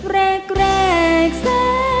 แรกแรกเสียง